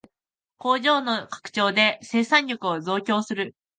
工場の拡張で生産力を増強する